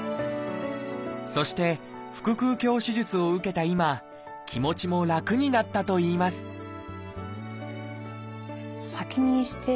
そして腹腔鏡手術を受けた今気持ちも楽になったといいますなるほど。